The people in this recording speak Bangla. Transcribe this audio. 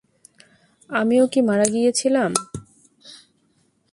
আমিও কি মারা গিয়েছিলাম?